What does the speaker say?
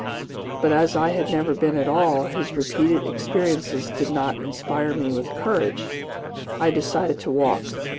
But, as I had never been at all, his repeated experiences did not inspire me with courage. I decided to walk.